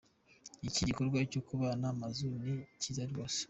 Iki gikorwa cyo kubaha amazu ni cyiza rwose.